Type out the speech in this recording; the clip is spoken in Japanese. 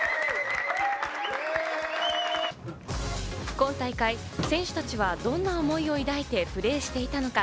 今大会、選手たちはどんな思いを抱いてプレーしていたのか？